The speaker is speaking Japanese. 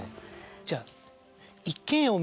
じゃあ。